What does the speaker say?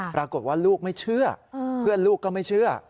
ปรากฏว่าลูกไม่เชื่อเพื่อนลูกก็ไม่เชื่อ